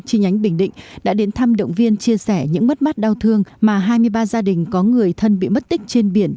chi nhánh bình định đã đến thăm động viên chia sẻ những mất mát đau thương mà hai mươi ba gia đình có người thân bị mất tích trên biển